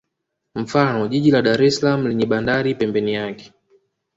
Mfano jiji la Dar es salaam lenye bandari pembeni yake